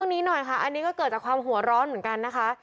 นี้หน่อยค่ะอันนี้ก็เกิดจากความหัวร้อนเหมือนกันนะคะ